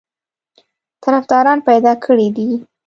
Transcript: طرفداران پیدا کړي دي.